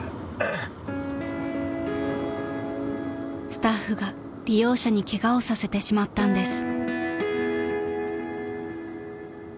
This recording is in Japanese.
［スタッフが利用者にケガをさせてしまったんです］